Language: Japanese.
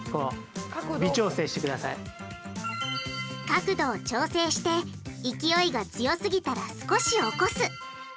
角度を調整して勢いが強すぎたら少し起こす。